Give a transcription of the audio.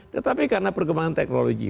tetapi karena perkembangan teknologi